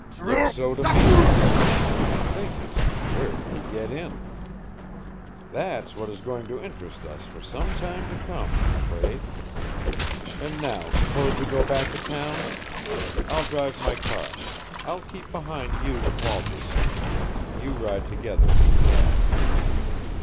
"Looks so to me. Only thing is, where did he get in?" "That's what is going to interest us for some time to come, I'm afraid. And now suppose we go back to town? I'll drive my car; I'll keep behind you and Walters, here. You ride together in his cab."